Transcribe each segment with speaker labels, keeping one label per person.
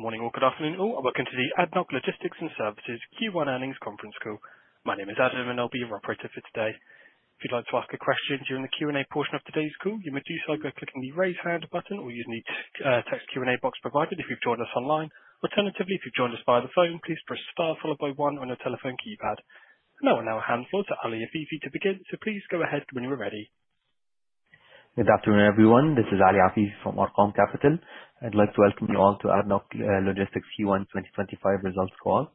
Speaker 1: Morning or good afternoon all, and welcome to the ADNOC Logistics & Services Q1 Earnings Conference Call. My name is Adam, and I'll be your moderator for today. If you'd like to ask a question during the Q&A portion of today's call, you may do so by clicking the raise hand button or using the text Q&A box provided if you've joined us online. Alternatively, if you've joined us via the phone, please press star followed by one on your telephone keypad. Now I'll now hand the floor to Ali Afifi to begin, so please go ahead when you're ready.
Speaker 2: Good afternoon, everyone. This is Ali Afifi from Arqaam Capital. I'd like to welcome you all to ADNOC Logistics Q1 2025 results call.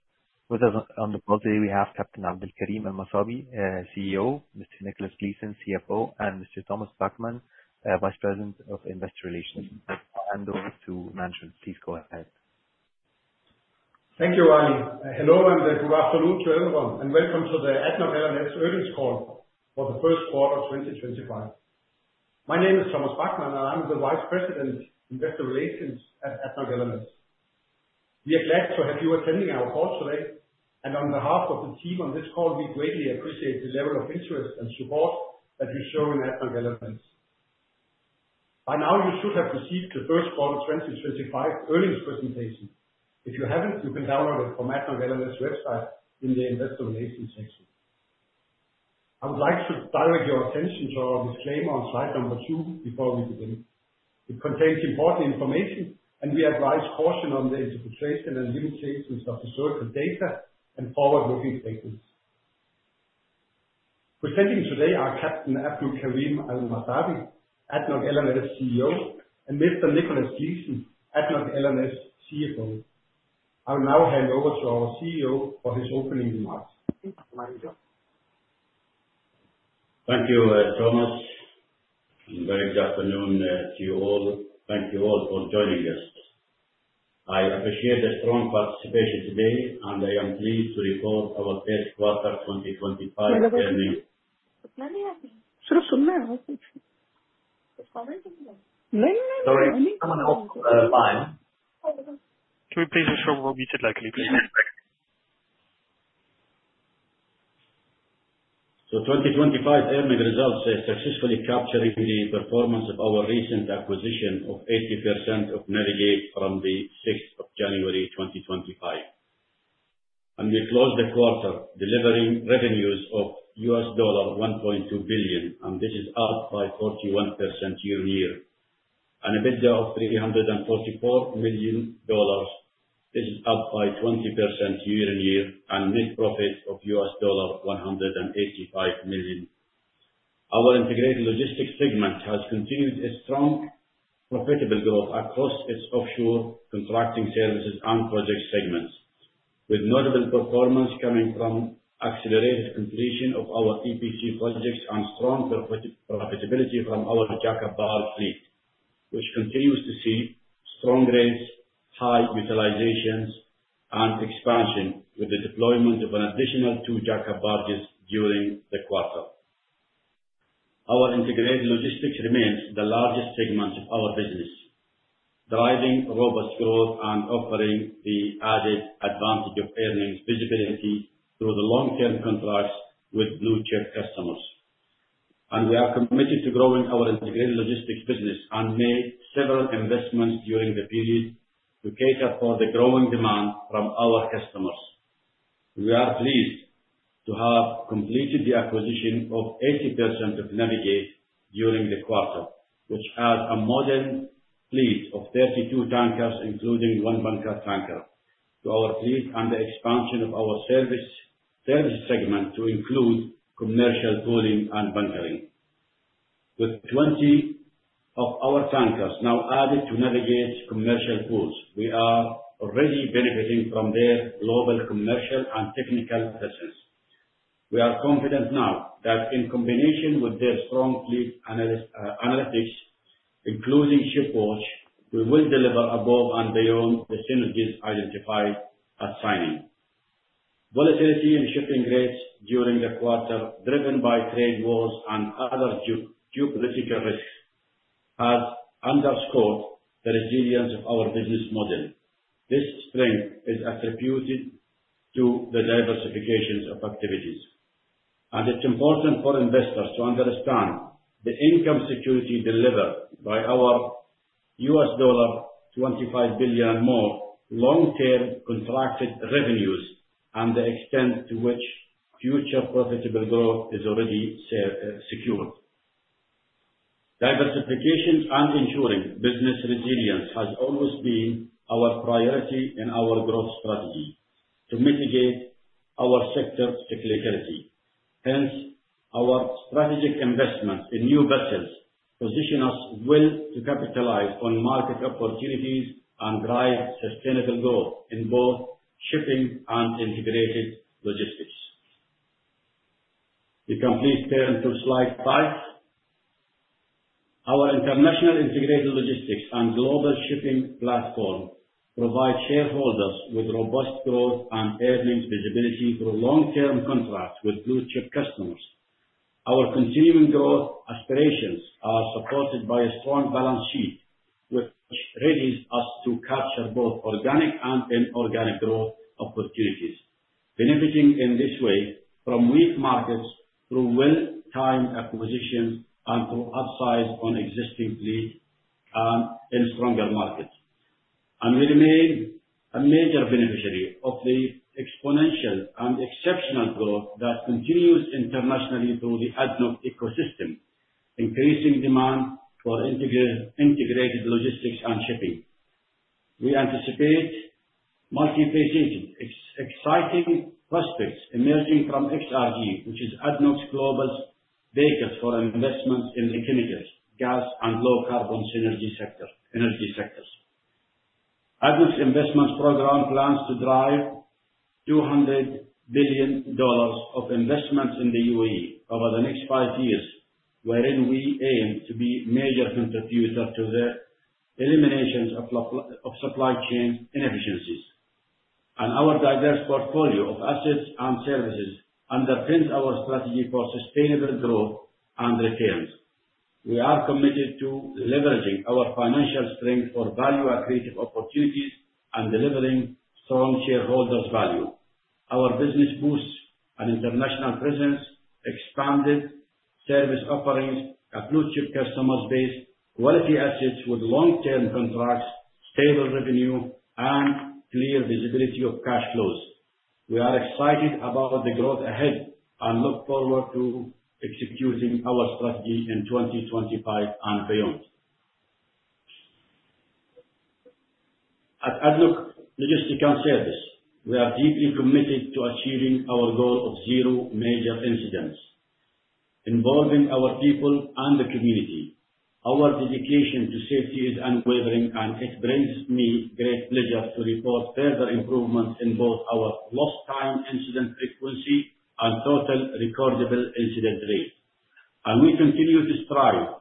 Speaker 2: With us on the call today, we have Captain Abdulkareem Al Masabi, CEO; Mr. Nicholas Gleeson, CFO; and Mr. Thomas Backmann, Vice President of Investor Relations. I'll hand over to management. Please go ahead.
Speaker 3: Thank you, Ali. Hello and a good afternoon, everyone, and welcome to the ADNOC L&S earnings call for the first quarter of 2025. My name is Thomas Backmann, and I'm the Vice President of Investor Relations at ADNOC L&S. We are glad to have you attending our call today, and on behalf of the team on this call, we greatly appreciate the level of interest and support that you show in ADNOC L&S. By now, you should have received the first quarter 2025 earnings presentation. If you haven't, you can download it from ADNOC L&S website in the Investor Relations section. I would like to direct your attention to our disclaimer on slide number two before we begin. It contains important information, and we advise caution on the interpretation and limitations of historical data and forward-looking statements. Presenting today are Captain Abdulkaree Al Masabi, ADNOC L&S CEO, and Mr. Nicholas Gleeson, ADNOC L&S CFO. I will now hand over to our CEO for his opening remarks.
Speaker 4: Thank you, Thomas. Very good afternoon to you all. Thank you all for joining us. I appreciate the strong participation today, and I am pleased to report our best quarter 2025 earnings.
Speaker 3: Can we please make sure we're muted, likely, please?
Speaker 4: The 2025 earnings results are successfully capturing the performance of our recent acquisition of 80% of Navig8 from the 6th of January 2025. We closed the quarter delivering revenues of $1.2 billion, and this is up by 41% year-on-year. EBITDA of $344 million, this is up by 20% year-on-year, and net profit of $185 million. Our integrated logistics segment has continued strong profitable growth across its offshore contracting services and project segments, with notable performance coming from accelerated completion of our EPC projects and strong profitability from our Jack-Up Barge fleet, which continues to see strong rates, high utilizations, and expansion with the deployment of an additional two Jack-Up Barges during the quarter. Our integrated logistics remains the largest segment of our business, driving robust growth and offering the added advantage of earnings visibility through the long-term contracts with blue-chip customers. We are committed to growing our integrated logistics business and made several investments during the period to cater for the growing demand from our customers. We are pleased to have completed the acquisition of 80% of Navig8 during the quarter, which adds a modern fleet of 32 tankers, including one bunker tanker, to our fleet and the expansion of our service segment to include commercial cooling and bunkering. With 20 of our tankers now added to Navig8's commercial pools, we are already benefiting from their global commercial and technical presence. We are confident now that in combination with their strong fleet analytics, including shipwatch, we will deliver above and beyond the synergies identified at signing. Volatility in shipping rates during the quarter, driven by trade wars and other geopolitical risks, has underscored the resilience of our business model. This strength is attributed to the diversification of activities. It is important for investors to understand the income security delivered by our $25 billion and more long-term contracted revenues and the extent to which future profitable growth is already secured. Diversification and ensuring business resilience has always been our priority in our growth strategy to mitigate our sector's cyclicality. Hence, our strategic investments in new vessels position us well to capitalize on market opportunities and drive sustainable growth in both shipping and integrated logistics. Please turn to slide five. Our international Integrated Logistics and Global Shipping Platform provide shareholders with robust growth and earnings visibility through long-term contracts with blue-chip customers. Our continuing growth aspirations are supported by a strong balance sheet, which readies us to capture both organic and inorganic growth opportunities, benefiting in this way from weak markets through well-timed acquisitions and through upsides on existing fleets and in stronger markets. We remain a major beneficiary of the exponential and exceptional growth that continues internationally through the ADNOC ecosystem, increasing demand for integrated logistics and shipping. We anticipate multi-faceted, exciting prospects emerging from XRG, which is ADNOC's global basis for investments in liquid gas and low-carbon energy sectors. ADNOC's investment program plans to drive $200 billion of investments in the UAE over the next five years, wherein we aim to be major contributors to the elimination of supply chain inefficiencies. Our diverse portfolio of assets and services underpins our strategy for sustainable growth and returns. We are committed to leveraging our financial strength for value-accretive opportunities and delivering strong shareholders' value. Our business boasts an international presence, expanded service offerings, a blue-chip customer base, quality assets with long-term contracts, stable revenue, and clear visibility of cash flows. We are excited about the growth ahead and look forward to executing our strategy in 2025 and beyond. At ADNOC Logistics & Services, we are deeply committed to achieving our goal of zero major incidents, involving our people and the community. Our dedication to safety is unwavering, and it brings me great pleasure to report further improvements in both our lost time incident frequency and total recordable incident rate. We continue to strive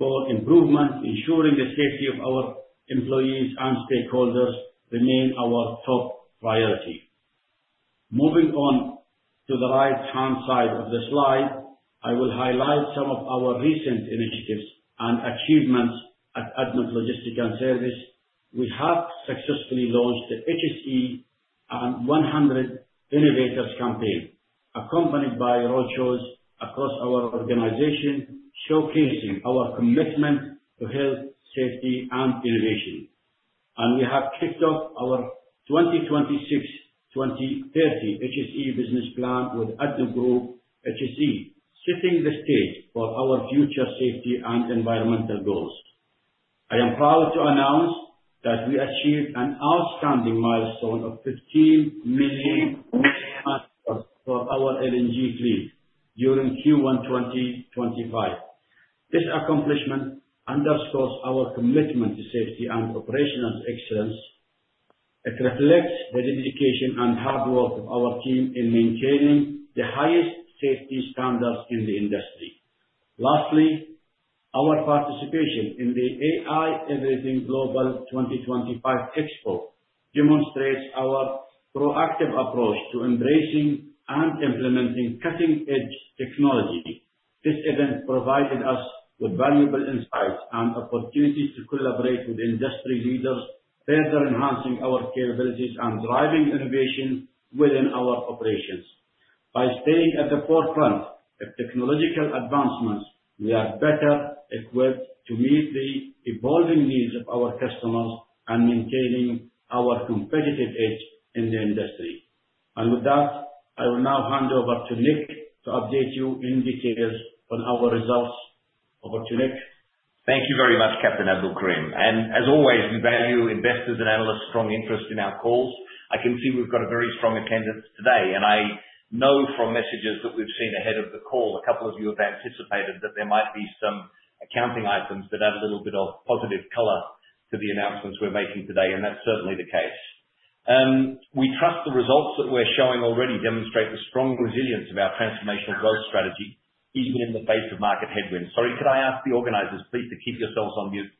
Speaker 4: for improvement, ensuring the safety of our employees and stakeholders remains our top priority. Moving on to the right-hand side of the slide, I will highlight some of our recent initiatives and achievements at ADNOC Logistics & Services. We have successfully launched the HSE 100 Innovators Campaign, accompanied by roadshows across our organization, showcasing our commitment to health, safety, and innovation. We have kicked off our 2026-2030 HSE business plan with ADNOC Group HSE, setting the stage for our future safety and environmental goals. I am proud to announce that we achieved an outstanding milestone of 15 million for our LNG fleet during Q1 2025. This accomplishment underscores our commitment to safety and operational excellence. It reflects the dedication and hard work of our team in maintaining the highest safety standards in the industry. Lastly, our participation in the AI Everything Global 2025 Expo demonstrates our proactive approach to embracing and implementing cutting-edge technology. This event provided us with valuable insights and opportunities to collaborate with industry leaders, further enhancing our capabilities and driving innovation within our operations. By staying at the forefront of technological advancements, we are better equipped to meet the evolving needs of our customers and maintain our competitive edge in the industry. I will now hand over to Nick to update you indicators on our results. Over to Nick.
Speaker 5: Thank you very much, Captain Abdulkareem. As always, we value investors and analysts' strong interest in our calls. I can see we have a very strong attendance today, and I know from messages that we have seen ahead of the call, a couple of you have anticipated that there might be some accounting items that add a little bit of positive color to the announcements we are making today, and that is certainly the case. We trust the results that we are showing already demonstrate the strong resilience of our transformational growth strategy, even in the face of market headwinds. Sorry, could I ask the organizers, please, to keep yourselves on mute?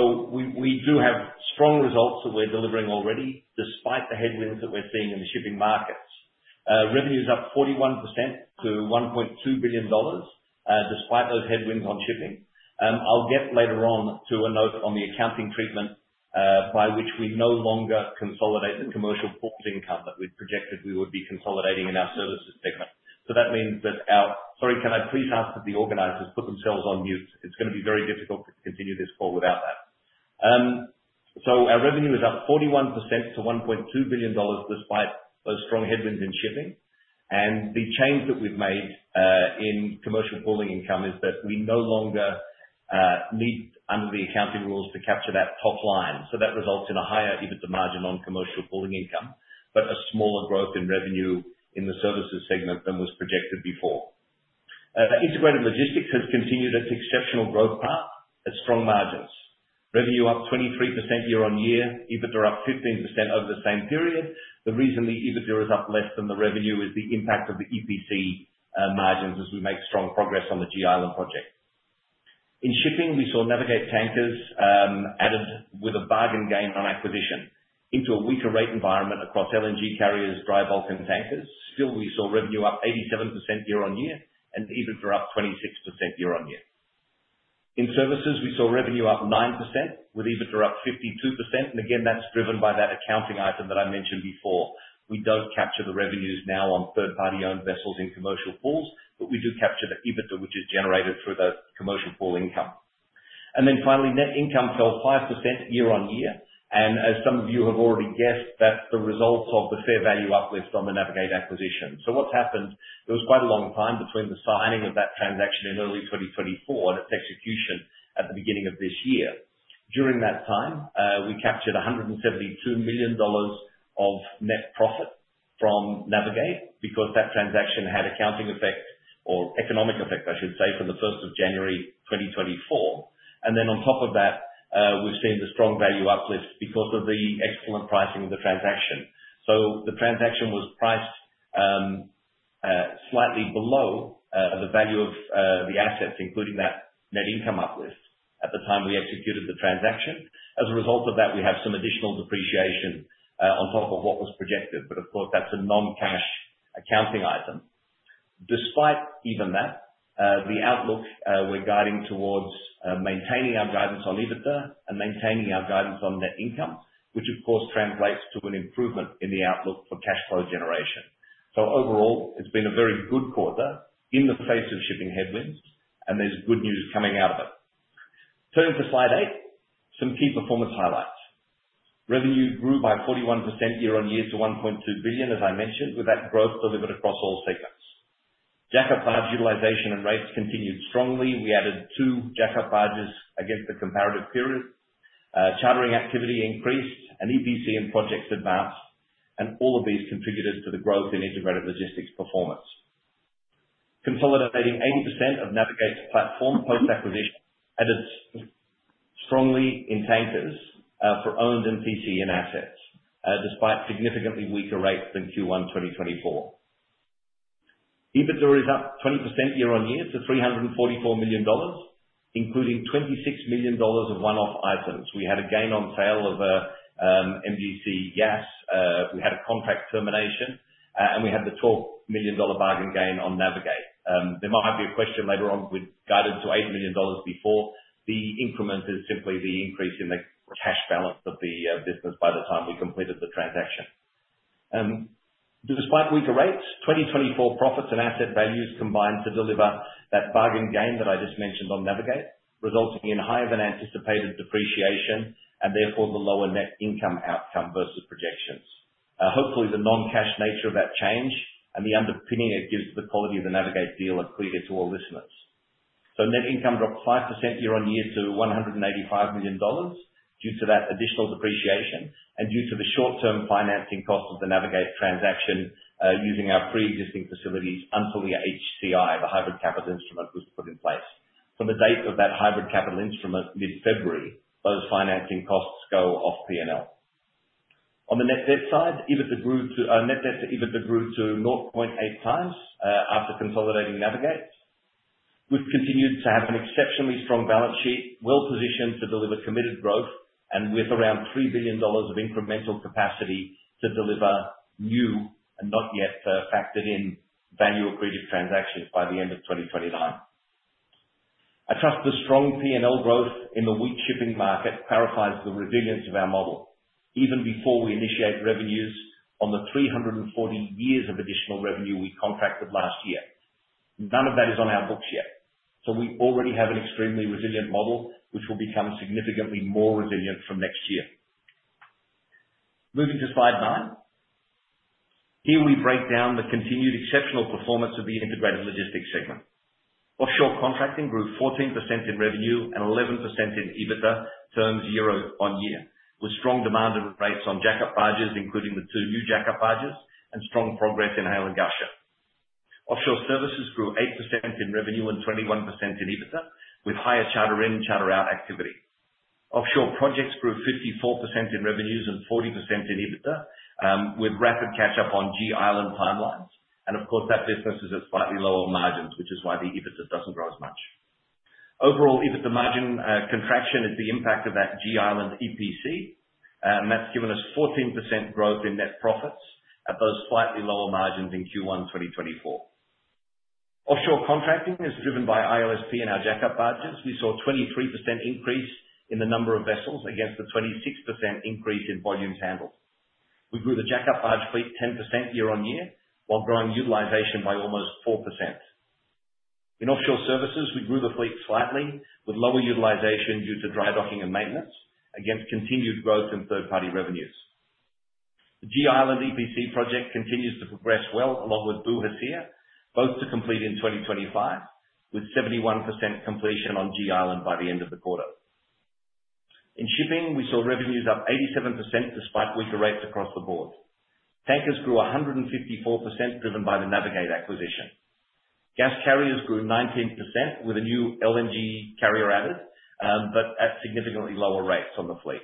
Speaker 5: We do have strong results that we are delivering already, despite the headwinds that we are seeing in the shipping markets. Revenue is up 41% to $1.2 billion, despite those headwinds on shipping. I'll get later on to a note on the accounting treatment by which we no longer consolidate the commercial port income that we projected we would be consolidating in our services segment. That means that our—sorry, can I please ask that the organizers put themselves on mute? It's going to be very difficult to continue this call without that. Our revenue is up 41% to $1.2 billion, despite those strong headwinds in shipping. The change that we've made in commercial pooling income is that we no longer need, under the accounting rules, to capture that top line. That results in a higher EBITDA margin on commercial pooling income, but a smaller growth in revenue in the services segment than was projected before. The integrated logistics has continued its exceptional growth path at strong margins. Revenue up 23% year-on-year, EBITDA up 15% over the same period. The reason the EBITDA is up less than the revenue is the impact of the EPC margins as we make strong progress on the G-island project. In shipping, we saw Navig8 tankers added with a bargain gain on acquisition into a weaker rate environment across LNG carriers, dry bulk and tankers. Still, we saw revenue up 87% year-on-year and EBITDA up 26% year-on-year. In services, we saw revenue up 9% with EBITDA up 52%. That is driven by that accounting item that I mentioned before. We do not capture the revenues now on third-party-owned vessels in commercial pools, but we do capture the EBITDA, which is generated through the commercial pool income. Finally, net income fell 5% year-on-year. As some of you have already guessed, that's the results of the fair value uplift on the Navig8 acquisition. What happened is there was quite a long time between the signing of that transaction in early 2024 and its execution at the beginning of this year. During that time, we captured $172 million of net profit from Navig8 because that transaction had accounting effect, or economic effect, I should say, from the 1st of January 2024. On top of that, we've seen the strong value uplift because of the excellent pricing of the transaction. The transaction was priced slightly below the value of the assets, including that net income uplift at the time we executed the transaction. As a result of that, we have some additional depreciation on top of what was projected, but of course, that's a non-cash accounting item. Despite even that, the outlook we're guiding towards maintaining our guidance on EBITDA and maintaining our guidance on net income, which of course translates to an improvement in the outlook for cash flow generation. Overall, it's been a very good quarter in the face of shipping headwinds, and there's good news coming out of it. Turning to slide eight, some key performance highlights. Revenue grew by 41% year-on-year to $1.2 billion, as I mentioned, with that growth delivered across all segments. Jack-Up Barge utilization and rates continued strongly. We added two Jack-Up Barges against the comparative period. Chartering activity increased, and EPC and projects advanced. All of these contributed to the growth in integrated logistics performance. Consolidating 80% of Navig8's platform post-acquisition added strongly in tankers for owned TC and assets, despite significantly weaker rates than Q1 2024. EBITDA is up 20% year-on-year to $344 million, including $26 million of one-off items. We had a gain on sale of MGC Yas. We had a contract termination, and we had the $12 million bargain gain on Navig8. There might be a question later on with guidance of $8 million before. The increment is simply the increase in the cash balance of the business by the time we completed the transaction. Despite weaker rates, 2024 profits and asset values combined to deliver that bargain gain that I just mentioned on Navig8 resulted in higher than anticipated depreciation and therefore the lower net income outcome versus projections. Hopefully, the non-cash nature of that change and the underpinning it gives the quality of the Navig8 deal are clear to all listeners. Net income dropped 5% year-on-year to $185 million due to that additional depreciation and due to the short-term financing cost of the Navig8 transaction using our pre-existing facilities until the HCI, the Hybrid Capital Instrument, was put in place. From the date of that Hybrid Capital Instrument, mid-February, those financing costs go off P&L. On the net debt side, net debt to EBITDA grew to 0.8x after consolidating Navig8. We've continued to have an exceptionally strong balance sheet, well-positioned to deliver committed growth, and with around $3 billion of incremental capacity to deliver new and not yet factored-in value-accretive transactions by the end of 2029. I trust the strong P&L growth in the weak shipping market paraphrases the resilience of our model. Even before we initiate revenues on the 340 years of additional revenue we contracted last year, none of that is on our books yet. We already have an extremely resilient model, which will become significantly more resilient from next year. Moving to slide nine, here we break down the continued exceptional performance of the integrated logistics segment. Offshore contracting grew 14% in revenue and 11% in EBITDA terms year-on-year, with strong demand and rates on Jack-Up Barges, including the two new Jack-Up Barges, and strong progress in Hail & Ghasha. Offshore services grew 8% in revenue and 21% in EBITDA, with higher charter in and charter out activity. Offshore projects grew 54% in revenues and 40% in EBITDA, with rapid catch-up on G-island timelines. Of course, that difference is at slightly lower margins, which is why the EBITDA does not grow as much. Overall, EBITDA margin contraction is the impact of that G-island EPC, and that's given us 14% growth in net profits at those slightly lower margins in Q1 2024. Offshore contracting is driven by ILSP and our Jack-Up Barges. We saw a 23% increase in the number of vessels against a 26% increase in volumes handled. We grew the Jack-Up Barge fleet 10% year-on-year, while growing utilization by almost 4%. In offshore services, we grew the fleet slightly, with lower utilization due to dry docking and maintenance against continued growth in third-party revenues. The G-island EPC project continues to progress well, along with Bu Haseer, both to complete in 2025, with 71% completion on G-island by the end of the quarter. In shipping, we saw revenues up 87% despite weaker rates across the board. Tankers grew 154%, driven by the Navig8 acquisition. Gas carriers grew 19% with a new LNG carrier added, but at significantly lower rates on the fleet.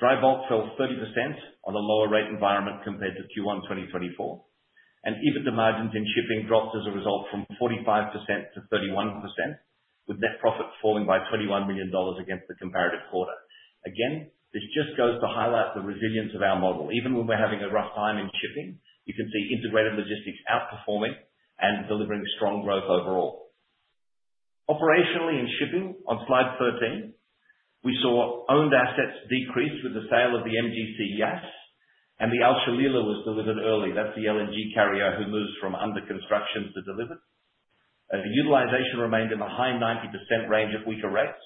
Speaker 5: Dry bulk fell 30% on a lower rate environment compared to Q1 2024. EBITDA margins in shipping dropped as a result from 45%-31%, with net profit falling by $21 million against the comparative quarter. This just goes to highlight the resilience of our model. Even when we're having a rough time in shipping, you can see integrated logistics outperforming and delivering strong growth overall. Operationally in shipping, on slide 13, we saw owned assets decrease with the sale of the MGC Yas, and the Al Shelila was delivered early. That's the LNG carrier who moves from under construction to deliver. Utilization remained in the high 90% range at weaker rates.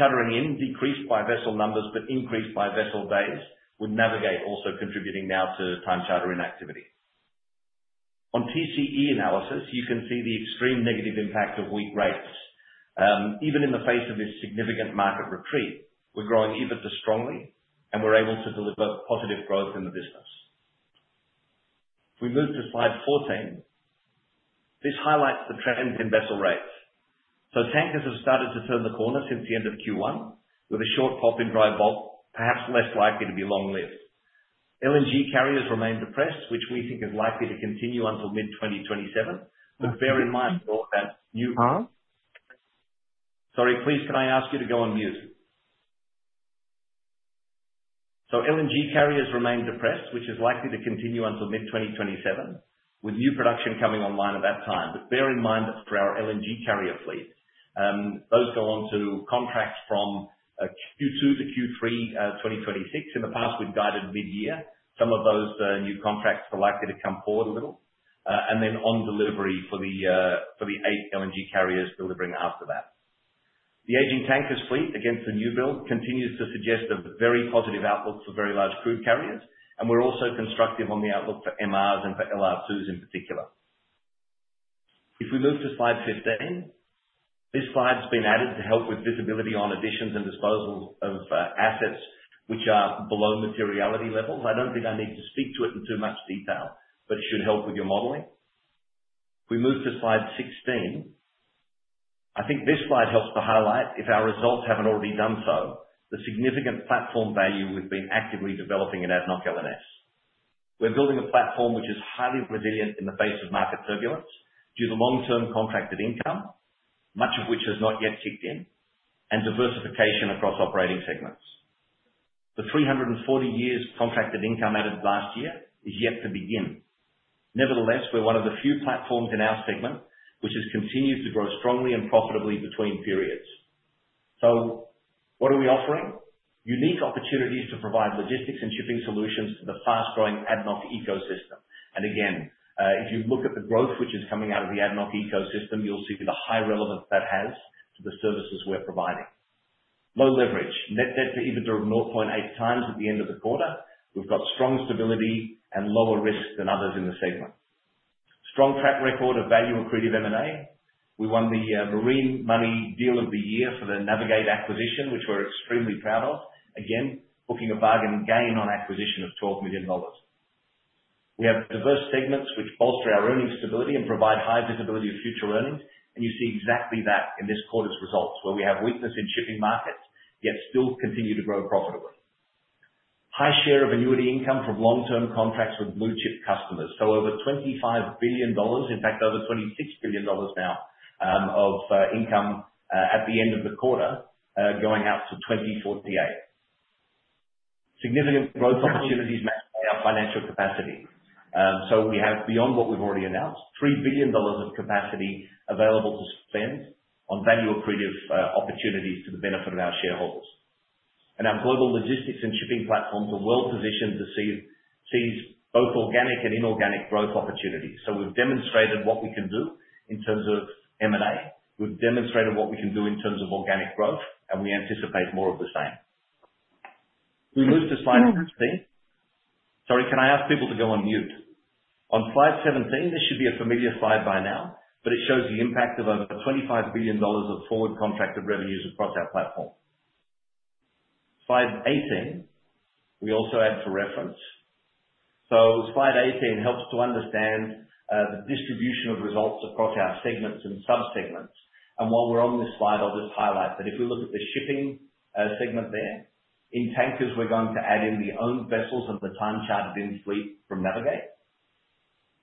Speaker 5: Chartering in decreased by vessel numbers but increased by vessel days, with Navig8 also contributing now to time charter inactivity. On TCE analysis, you can see the extreme negative impact of weak rates. Even in the face of this significant market retreat, we're growing EBITDA strongly, and we're able to deliver positive growth in the business. If we move to slide 14, this highlights the trend in vessel rates. Tankers have started to turn the corner since the end of Q1, with a short pop in dry bulk, perhaps less likely to be long-lived. LNG carriers remain depressed, which we think is likely to continue until mid-2027, but bear in mind that new palm. Sorry, please, can I ask you to go on mute? LNG carriers remain depressed, which is likely to continue until mid-2027, with new production coming online at that time. Bear in mind that for our LNG carrier fleet, those go on to contracts from Q2 to Q3 2026. In the past, we'd guided mid-year. Some of those new contracts are likely to come forward a little, and then on delivery for the eight LNG carriers delivering after that. The aging tankers fleet against the new build continues to suggest a very positive outlook for very large crude carriers, and we're also constructive on the outlook for MRs and for LR2s in particular. If we move to slide 15, this slide's been added to help with visibility on additions and disposals of assets which are below materiality levels. I don't think I need to speak to it in too much detail, but it should help with your modeling. If we move to slide 16, I think this slide helps to highlight, if our results have not already done so, the significant platform value we have been actively developing at ADNOC Logistics & Services. We are building a platform which is highly resilient in the face of market turbulence due to long-term contracted income, much of which has not yet kicked in, and diversification across operating segments. The 340 years contracted income added last year is yet to begin. Nevertheless, we are one of the few platforms in our segment which has continued to grow strongly and profitably between periods. What are we offering? Unique opportunities to provide logistics and shipping solutions to the fast-growing ADNOC ecosystem. If you look at the growth which is coming out of the ADNOC ecosystem, you will see the high relevance that has to the services we are providing. Low leverage. Net debt to EBITDA of 0.8x at the end of the quarter. We've got strong stability and lower risk than others in the segment. Strong track record of value-accretive M&A. We won the Marine Money deal of the year for the Navig8 acquisition, which we're extremely proud of. Again, booking a bargain gain on acquisition of $12 million. We have diverse segments which bolster our earnings stability and provide high visibility of future earnings. You see exactly that in this quarter's results, where we have weakness in shipping markets, yet still continue to grow profitably. High share of annuity income from long-term contracts with blue-chip customers. Over $25 billion, in fact, over $26 billion now of income at the end of the quarter going out for 2048. Significant growth opportunities match our financial capacity. We have, beyond what we've already announced, $3 billion of capacity available to spend on value-accretive opportunities to the benefit of our shareholders. Our global logistics and shipping platforms are well-positioned to seize both organic and inorganic growth opportunities. We've demonstrated what we can do in terms of M&A. We've demonstrated what we can do in terms of organic growth, and we anticipate more of the same. If we move to slide 16, sorry, can I ask people to go on mute? On slide 17, this should be a familiar slide by now, but it shows the impact of over $25 billion of forward contracted revenues across our platform. Slide 18, we also add for reference. Slide 18 helps to understand the distribution of results across our segments and sub-segments. While we're on this slide, I'll just highlight that if we look at the shipping segment there, in tankers, we're going to add in the owned vessels of the time chartered in fleet from Navig8.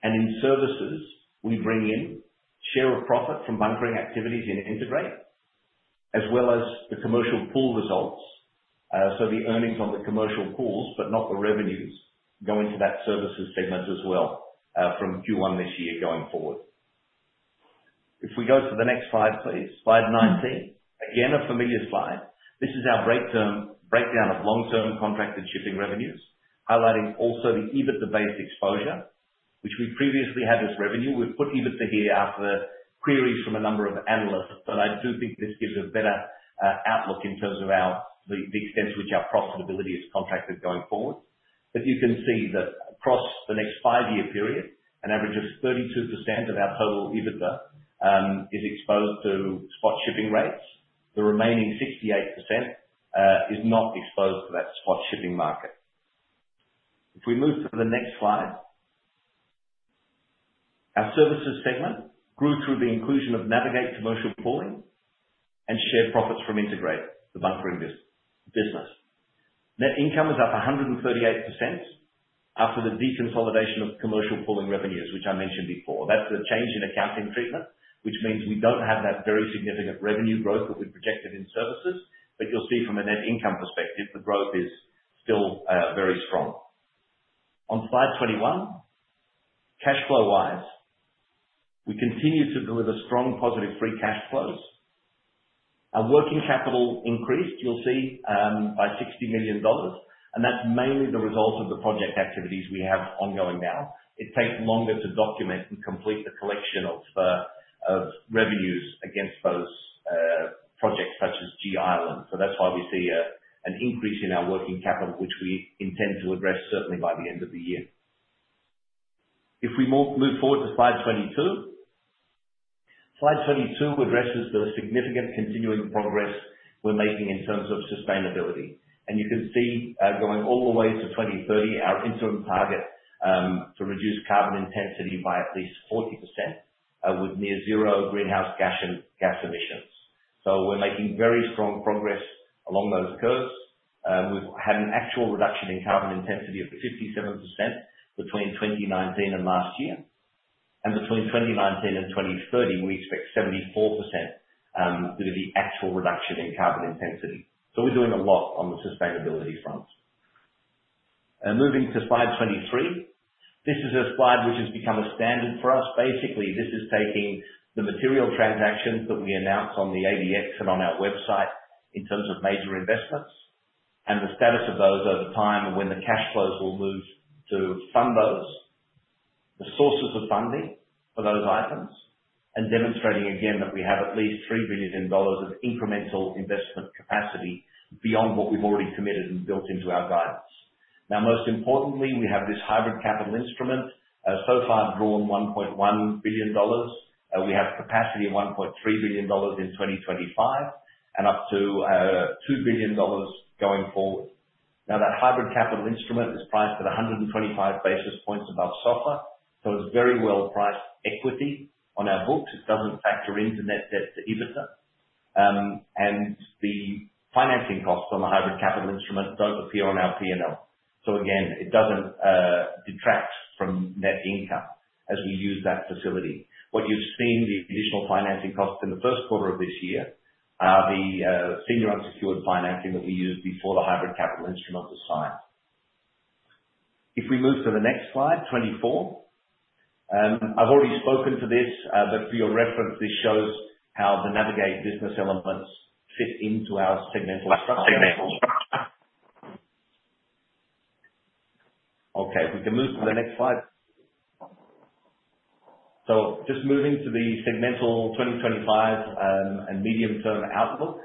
Speaker 5: In services, we bring in share of profit from bunkering activities in Integrate, as well as the commercial pool results. The earnings on the commercial pools, but not the revenues, go into that services segment as well from Q1 this year going forward. If we go to the next slide, please, slide 19, again, a familiar slide. This is our breakdown of long-term contracted shipping revenues, highlighting also the EBITDA-based exposure, which we previously had as revenue. We've put EBITDA here after queries from a number of analysts. I do think this gives a better outlook in terms of the extent to which our profitability is contracted going forward. You can see that across the next five-year period, an average of 32% of our total EBITDA is exposed to spot shipping rates. The remaining 68% is not exposed to that spot shipping market. If we move to the next slide, our services segment grew through the inclusion of Navig8 commercial pooling and shared profits from Integrate, the bunkering business. Net income is up 138% after the deconsolidation of commercial pooling revenues, which I mentioned before. That is the change in accounting treatment, which means we do not have that very significant revenue growth that we projected in services. You will see from a net income perspective, the growth is still very strong. On slide 21, cash flow-wise, we continue to deliver strong positive free cash flows. Our working capital increased, you will see, by $60 million, and that is mainly the result of the project activities we have ongoing now. It takes longer to document and complete the collection of revenues against those projects such as G-island. That is why we see an increase in our working capital, which we intend to address certainly by the end of the year. If we move forward to slide 22, slide 22 addresses the significant continuing progress we are making in terms of sustainability. You can see going all the way to 2030, our interim target to reduce carbon intensity by at least 40% would near zero greenhouse gas emissions. We are making very strong progress along those curves. We have had an actual reduction in carbon intensity of 57% between 2019 and last year. Between 2019 and 2030, we expect 74% due to the actual reduction in carbon intensity. We are doing a lot on the sustainability front. Moving to slide 23, this is a slide which has become a standard for us. Basically, this is taking the material transactions that we announce on the ADX and on our website in terms of major investments and the status of those over time and when the cash flows will move to fund those, the sources of funding for those items, and demonstrating again that we have at least $3 billion of incremental investment capacity beyond what we've already submitted and built into our guidance. Most importantly, we have this Hybrid Capital Instrument. So far, drawn $1.1 billion. We have capacity of $1.3 billion in 2025 and up to $2 billion going forward. That Hybrid Capital Instrument is priced at 125 basis points above SOFR, so it's very well-priced equity on our books. It doesn't factor into net debt to EBITDA. The financing costs on the Hybrid Capital Instrument do not appear on our P&L. It does not detract from net income as we use that facility. What you have seen, the additional financing costs in the first quarter of this year, are the senior unsecured financing that we used before the Hybrid Capital Instrument was signed. If we move to the next slide, 24, I have already spoken to this, but for your reference, this shows how the Navig8 business elements fit into our segmental structure. If we can move to the next slide. Moving to the segmental 2025 and medium-term outlook,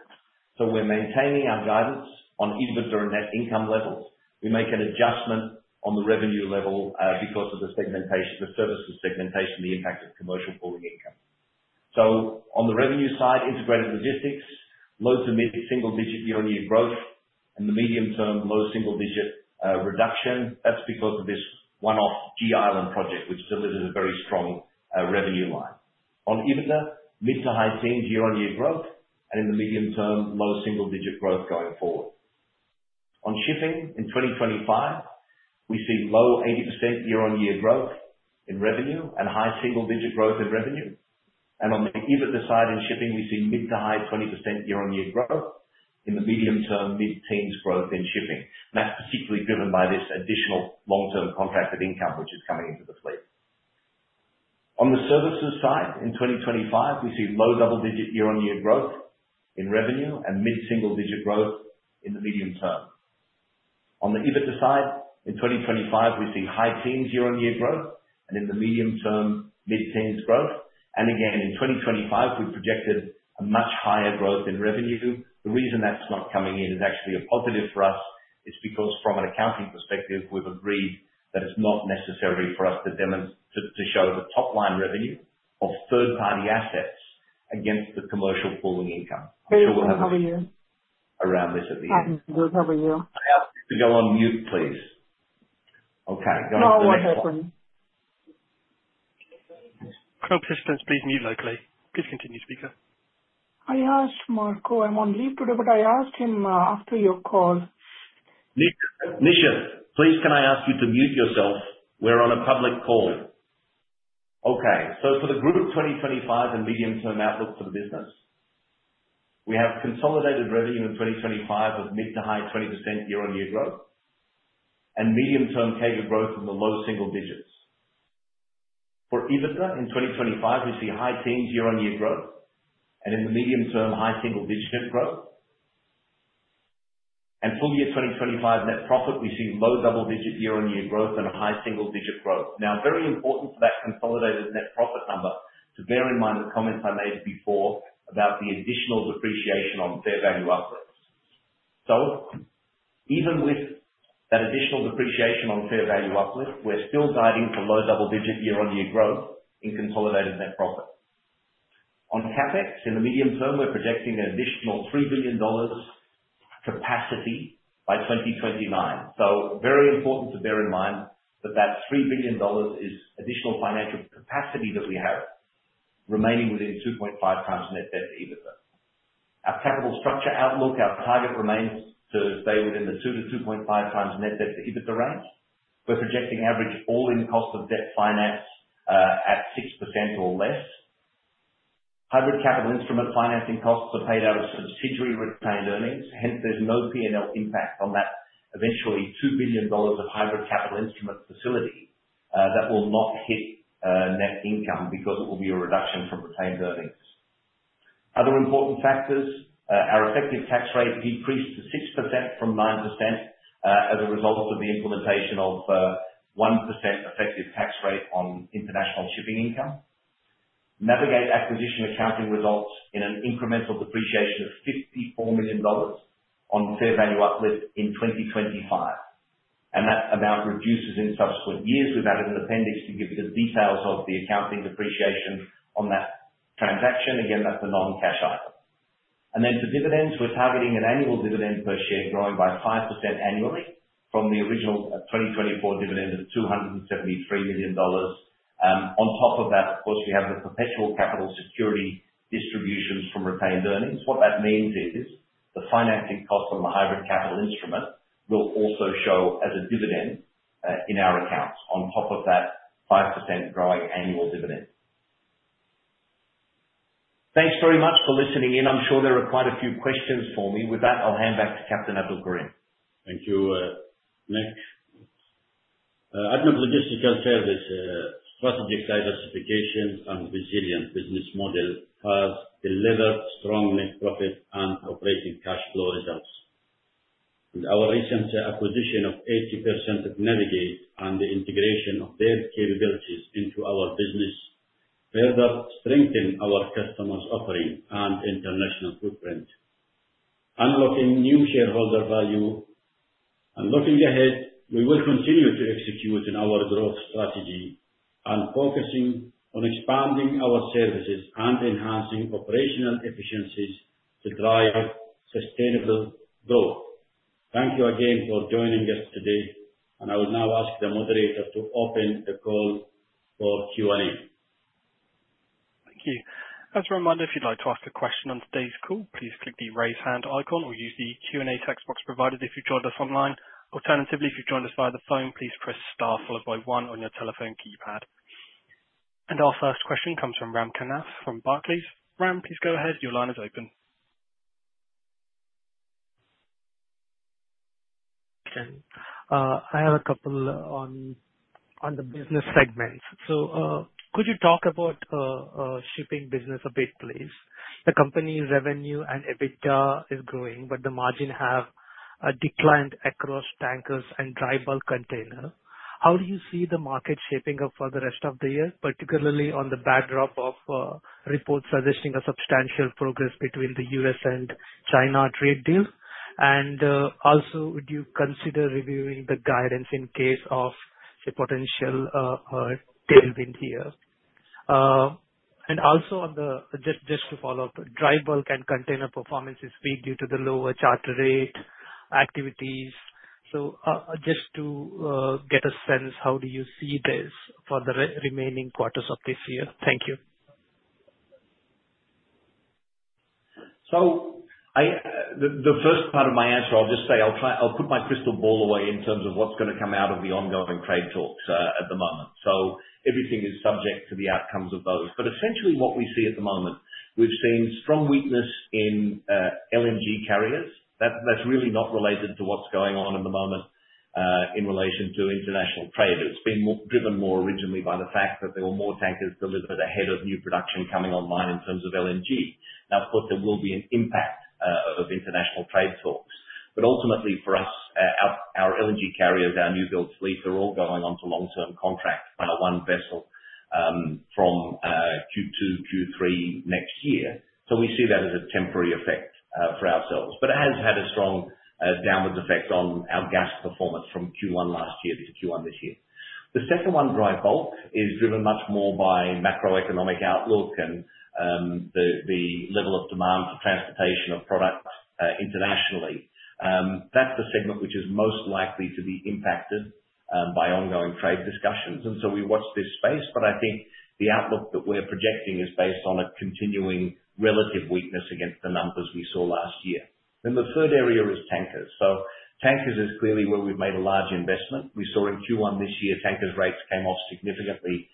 Speaker 5: we are maintaining our guidance on EBITDA and net income levels. We make an adjustment on the revenue level because of the services segmentation, the impact of commercial pooling income. On the revenue side, integrated logistics, low to mid-single-digit year-on-year growth, and in the medium term, low single-digit reduction. That's because of this one-off G-island project, which delivers a very strong revenue line. On EBITDA, mid to high teens year-on-year growth, and in the medium term, low single-digit growth going forward. On shipping, in 2025, we see low 80% year-on-year growth in revenue and high single-digit growth in revenue. On the EBITDA side in shipping, we see mid to high 20% year-on-year growth in the medium term, mid-teens growth in shipping. That's particularly driven by this additional long-term contracted income which is coming into the fleet. On the services side, in 2025, we see low double-digit year-on-year growth in revenue and mid-single-digit growth in the medium term. On the EBITDA side, in 2025, we see high teens year-on-year growth and in the medium term, mid-teens growth. Again, in 2025, we projected much higher growth in revenue. The reason that's not coming in is actually a positive for us. It's because from an accounting perspective, we've agreed that it's not necessary for us to show the top-line revenue of third-party assets against the commercial pooling income.
Speaker 6: We'll cover you around this at the end. We'll cover you.
Speaker 5: If you can go on mute, please. Okay.
Speaker 6: Don't worry. Don't worry.
Speaker 1: Hope this doesn't be muted locally. Please continue speaking.
Speaker 6: I asked Marco, I'm on mute today, but I asked him after your call.
Speaker 5: Nisha, please, can I ask you to mute yourself? We're on a public call. Okay, for the group of 2025 and medium-term outlook for the business, we have consolidated revenue in 2025 of mid to high 20% year-on-year growth and medium-term CAGR growth in the low single digits. For EBITDA in 2025, we see high teens year-on-year growth and in the medium term, high single-digit growth. Full year 2025 net profit, we see low double-digit year-on-year growth and a high single-digit growth. Now, very important for that consolidated net profit number to bear in mind the comments I made before about the additional depreciation on fair value uplift. Even with that additional depreciation on fair value uplift, we're still guiding for low double-digit year-on-year growth in consolidated net profit. On CapEx, in the medium term, we're projecting an additional $3 billion capacity by 2029. Very important to bear in mind that that $3 billion is additional financial capacity that we have remaining within 2.5x net debt to EBITDA. Our capital structure outlook, our target remains to stay within the 2-2.5x net debt to EBITDA range. We're projecting average all-in cost of debt finance at 6% or less. Hybrid Capital Instrument financing costs are paid out of subsidiary retained earnings. Hence, there's no P&L impact on that eventually $2 billion of Hybrid Capital Instrument facility that will not hit net income because it will be a reduction from retained earnings. Other important factors, our effective tax rate decreased to 6% from 9% as a result of the implementation of 1% effective tax rate on international shipping income. Navig8 acquisition accounting results in an incremental depreciation of $54 million on the fair value uplift in 2025. That amount reduces in subsequent years. We've added an appendix to give you the details of the accounting depreciation on that transaction. Again, that's the non-cash item. For dividends, we're targeting an annual dividend per share growing by 5% annually from the original 2024 dividend of $273 million. On top of that, of course, we have the perpetual capital security distributions from retained earnings. What that means is the financing cost from the Hybrid Capital Instrument will also show as a dividend in our accounts on top of that 5% growing annual dividend. Thanks very much for listening in. I'm sure there are quite a few questions for me. With that, I'll hand back to Captain Abdulkareem.
Speaker 4: Thank you. Next, ADNOC Logistics & Services with strategic diversifications and resilient business model has delivered strong net profit and operating cash flow results. Our recent acquisition of 80% of Navig8 and the integration of their capabilities into our business further strengthened our customers' offering and international footprint, unlocking new shareholder value. Looking ahead, we will continue to execute on our growth strategy and focusing on expanding our services and enhancing operational efficiencies to drive sustainable growth. Thank you again for joining us today. I will now ask the moderator to open the call for Q&A.
Speaker 1: Thank you. As a reminder, if you'd like to ask a question on today's call, please click the raise hand icon or use the Q&A text box provided if you've joined us online. Alternatively, if you've joined us via the phone, please press star followed by one on your telephone keypad. Our first question comes from Ram Kamath from Barclays. Ram, please go ahead. Your line is open.
Speaker 7: I have a couple on the business segments. Could you talk about shipping business a bit, please? The company's revenue and EBITDA is growing, but the margin has declined across tankers and dry bulk container. How do you see the market shaping up for the rest of the year, particularly on the backdrop of reports suggesting substantial progress between the U.S. and China trade deal? Would you consider reviewing the guidance in case of a potential tailwind here? Just to follow up, dry bulk and container performance is weak due to the lower charter rate activities. Just to get a sense, how do you see this for the remaining quarters of this year? Thank you.
Speaker 5: The first part of my answer, I'll just say I'll put my crystal ball away in terms of what's going to come out of the ongoing trade talks at the moment. Everything is subject to the outcomes of those. Essentially, what we see at the moment, we've seen strong weakness in LNG carriers. That's really not related to what's going on at the moment in relation to international trade. It's been driven more originally by the fact that there were more tankers delivered ahead of new production coming online in terms of LNG. Now, of course, there will be an impact of international trade talks. Ultimately, for us, our LNG carriers, our new build fleets are all going on to long-term contracts, one-on-one vessels from Q2, Q3 next year. We see that as a temporary effect for ourselves. It has had a strong downward effect on our gas performance from Q1 last year to Q1 this year. The second one, dry bulk, is driven much more by macroeconomic outlook and the level of demand for transportation of products internationally. That's the segment which is most likely to be impacted by ongoing trade discussions. We watch this space. I think the outlook that we're projecting is based on a continuing relative weakness against the numbers we saw last year. The third area is tankers. Tankers is clearly where we've made a large investment. We saw in Q1 this year, tankers' rates came off significantly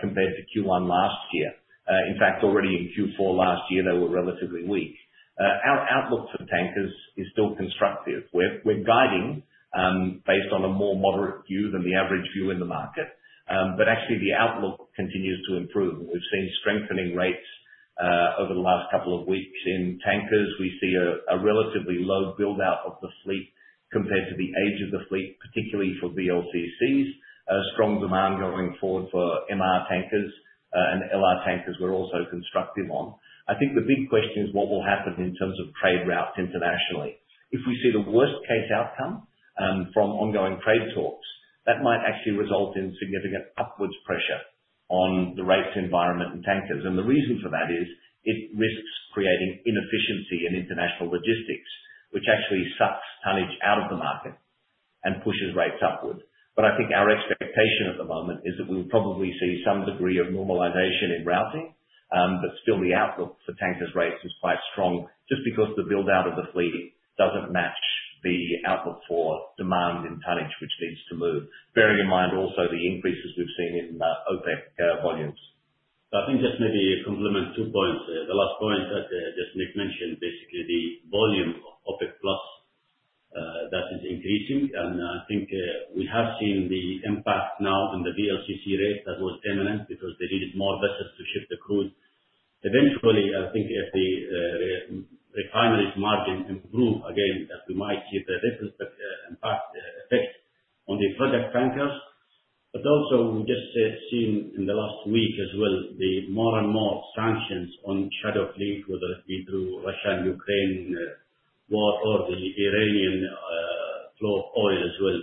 Speaker 5: compared to Q1 last year. In fact, already in Q4 last year, they were relatively weak. Our outlook for tankers is still constructive. We're guiding based on a more moderate view than the average view in the market. Actually, the outlook continues to improve. We've seen strengthening rates over the last couple of weeks. In tankers, we see a relatively low buildout of the fleet compared to the age of the fleet, particularly for VLCCs. Strong demand going forward for MR tankers and LR tankers we're also constructive on. I think the big question is what will happen in terms of trade routes internationally. If we see the worst-case outcome from ongoing trade talks, that might actually result in significant upward pressure on the rates environment in tankers. The reason for that is it risks creating inefficiency in international logistics, which actually sucks tonnage out of the market and pushes rates upward. I think our expectation at the moment is that we'll probably see some degree of normalization in routing. Still, the outlook for tankers' rates is quite strong just because the buildout of the fleet doesn't match the outlook for demand in tonnage, which needs to move, bearing in mind also the increases we've seen in OPEC volumes.
Speaker 4: I think just maybe a complement to Boeing's here. The last point that just Nick mentioned, basically the volume of OPEC+ that is increasing. I think we have seen the impact now in the VLCC rate, that was M&M, because they needed more vessels to ship the crude. Eventually, I think if the refineries' margin improves again, we might see the ripple effect on the project tankers. We have just seen in the last week as well, more and more sanctions on shadow fleet, whether it be through Russia and Ukraine war or the Iranian flow of oil as well.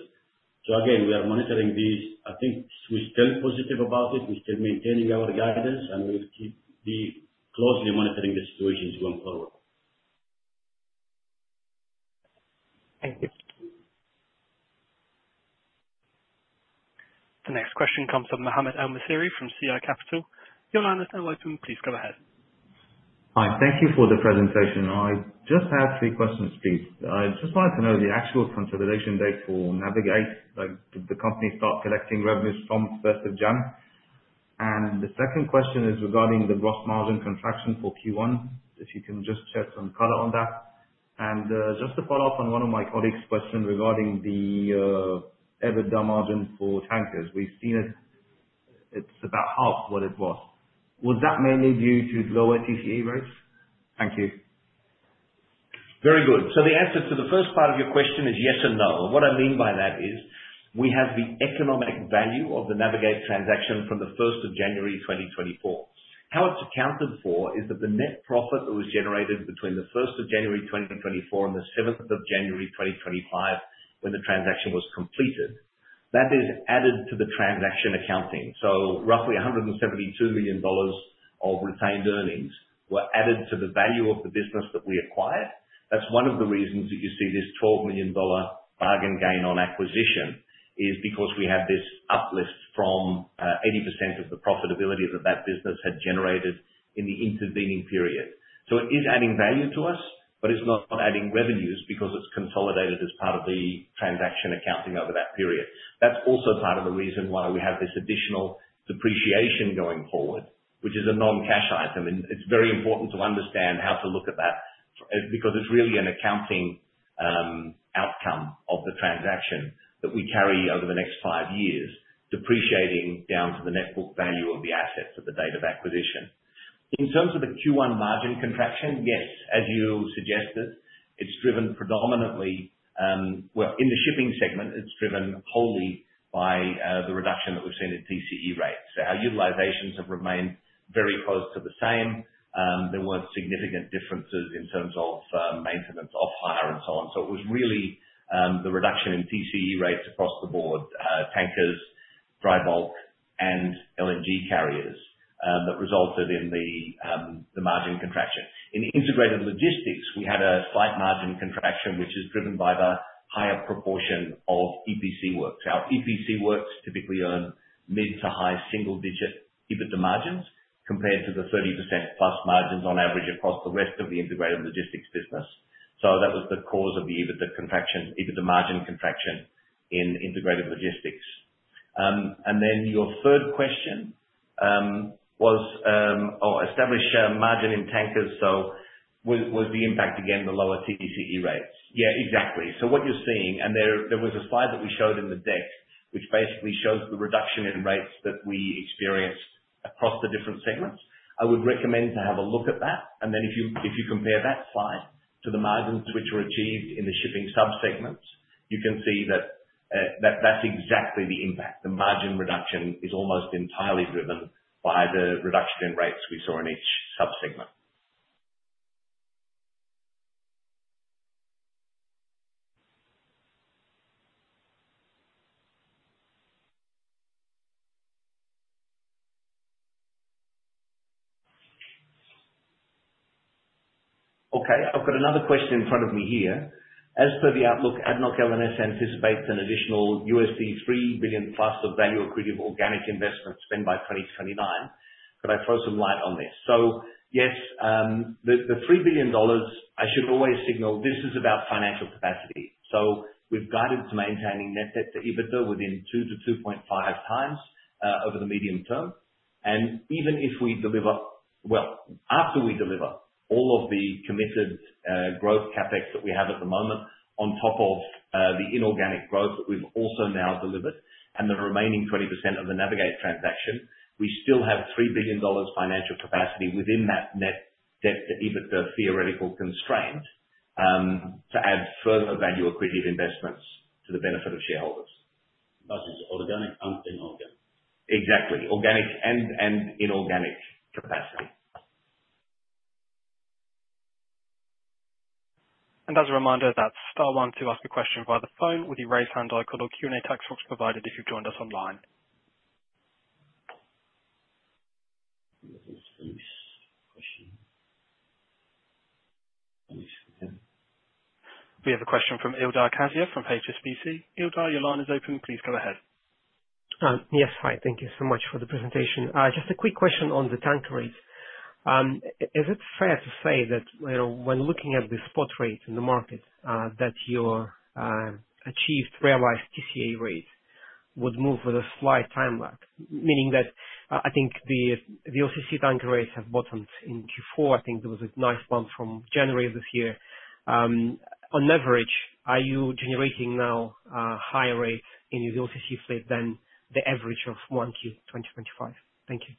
Speaker 4: We are monitoring these. I think we're still positive about it. We're still maintaining our guidance, and we'll keep closely monitoring the situation going forward.
Speaker 1: The next question comes from Mohamed El Messiry from CI Capital. Your line is open, please go ahead.
Speaker 8: Hi, thank you for the presentation. I just have three questions, please. I'd just like to know the actual consideration date for Navig8, like did the company start collecting revenues from 1st Jan? The second question is regarding the gross margin contraction for Q1, if you can just shed some color on that. Just to follow up on one of my colleagues' question regarding the EBITDA margin for tankers, we've seen it's about half what it was. Was that mainly due to lower TCE rates? Thank you.
Speaker 5: Very good. The answer to the first part of your question is yes and no. What I mean by that is we have the economic value of the Navig8 transaction from 1st January 2024. How it's accounted for is that the net profit that was generated between 1st January 2024 and 7th January 2025, when the transaction was completed, that is added to the transaction accounting. Roughly $172 million of retained earnings were added to the value of the business that we acquired. That is one of the reasons that you see this $12 million bargain gain on acquisition is because we had this uplift from 80% of the profitability that that business had generated in the intervening period. It is adding value to us, but it is not adding revenues because it is consolidated as part of the transaction accounting over that period. That is also part of the reason why we have this additional depreciation going forward, which is a non-cash item. It is very important to understand how to look at that because it is really an accounting outcome of the transaction that we carry over the next five years, depreciating down to the net book value of the assets at the date of acquisition. In terms of the Q1 margin contraction, yes, as you suggested, it is driven predominantly, in the shipping segment, it is driven wholly by the reduction that we have seen in TCE rates. Our utilizations have remained very close to the same. There were not significant differences in terms of maintenance, off-hire, and so on. It was really the reduction in TCE rates across the board, tankers, dry bulk, and LNG carriers, that resulted in the margin contraction. In integrated logistics, we had a slight margin contraction, which is driven by the higher proportion of EPC works. Our EPC works typically earn mid to high single-digit EBITDA margins compared to the 30%+ margins on average across the rest of the integrated logistics business. That was the cause of the EBITDA contraction, EBITDA margin contraction in integrated logistics. Your third question was, or establish margin in tankers, so was the impact again the lower TCE rates? Yeah, exactly. What you're seeing, and there was a slide that we showed in the deck, which basically shows the reduction in rates that we experienced across the different segments. I would recommend to have a look at that. If you compare that slide to the margins which were achieved in the shipping subsegments, you can see that that's exactly the impact. The margin reduction is almost entirely driven by the reduction in rates we saw in each subsegment. Okay, I've got another question in front of me here. As per the outlook, ADNOC L&S anticipates an additional $3 billion plus of value-accretive organic investment spent by 2029. Could I throw some light on this? Yes, the $3 billion, I should always signal this is about financial capacity. We have guided to maintaining net debt to EBITDA within 2-2.5x over the medium term. Even if we deliver, after we deliver all of the committed growth CapEx that we have at the moment on top of the inorganic growth that we have also now delivered and the remaining 20% of the Navig8 transaction, we still have $3 billion financial capacity within that net debt to EBITDA theoretical constraint to add further value-accretive investments to the benefit of shareholders.
Speaker 4: That is organic and inorganic.
Speaker 5: Exactly. Organic and inorganic capacity.
Speaker 1: As a reminder, that's star one to ask a question via the phone with your raise hand icon or Q&A text box provided if you have joined us online. We have a question from Ildar Khaziev from HSBC. Ildar, your line is open. Please go ahead.
Speaker 9: Yes, hi. Thank you so much for the presentation. Just a quick question on the tanker rates. Is it fair to say that when looking at the spot rate in the market, that your achieved realized TCE rate would move with a slight time lag, meaning that I think the VLCC tanker rates have bottomed in Q4? I think there was a nice bump from January of this year. On average, are you generating now higher rates in your VLCC fleet than the average of 1Q 2025? Thank you.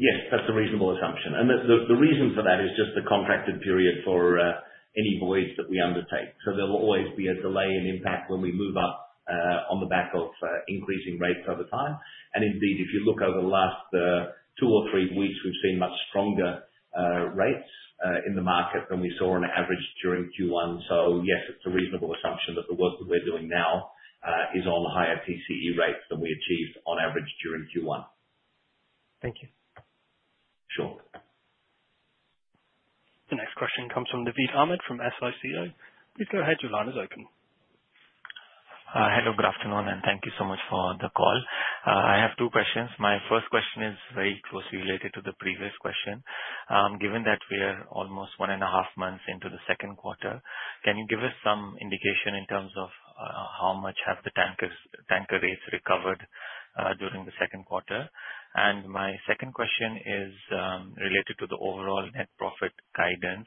Speaker 5: Yes, that's a reasonable assumption. The reason for that is just the contracted period for any voyage that we undertake. There will always be a delay in impact when we move up on the back of increasing rates over time. Indeed, if you look over the last two or three weeks, we've seen much stronger rates in the market than we saw on average during Q1. Yes, it's a reasonable assumption that the work that we're doing now is on the higher TCE rates than we achieved on average during Q1.
Speaker 9: Thank you.
Speaker 5: Sure.
Speaker 1: The next question comes from Naveed Ahmed from SICO. Please go ahead. Your line is open.
Speaker 10: Hello, good afternoon, and thank you so much for the call. I have two questions. My first question is very closely related to the previous question. Given that we are almost one and a half months into the second quarter, can you give us some indication in terms of how much have the tanker rates recovered during the second quarter? My second question is related to the overall net profit guidance.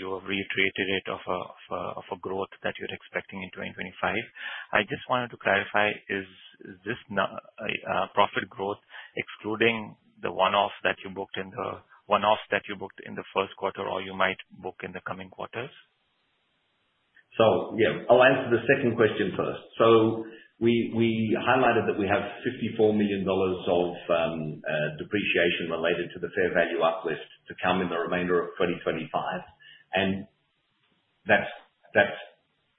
Speaker 10: You have reiterated it of a growth that you're expecting in 2025. I just wanted to clarify, is this profit growth excluding the one-offs that you booked in the one-offs that you booked in the first quarter or you might book in the coming quarters?
Speaker 5: Yeah, I'll answer to the second question first. We highlighted that we have $54 million of depreciation related to the fair value uplift to come in the remainder of 2025. That's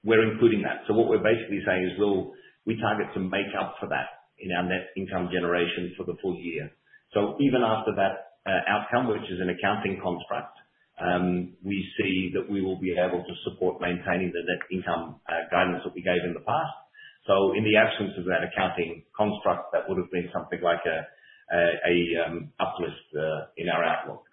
Speaker 5: we're including that. What we're basically saying is we target some makeup for that in our net income generation for the full year. Even after that outcome, which is an accounting construct, we see that we will be able to support maintaining the net income guidance that we gave in the past. In the absence of that accounting construct, that would have been something like an uplift in our outlook.